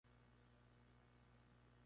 Cuba ganó su noveno título consecutiva.